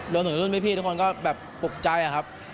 รวมถึงรุ่นพี่ทุกคนก็แบบปลุกใจอะครับ